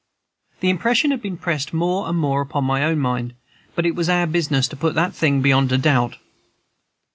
This impression had also pressed more and more upon my own mind, but it was our business to put the thing beyond a doubt.